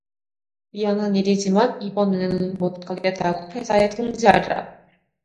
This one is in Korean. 미안한 일이지만 이번에는 못 가겠다고 회사에 통지하리라!